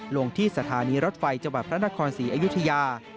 ลงที่สถานีรถไฟจังหวัดพระนครศรีอยุธยา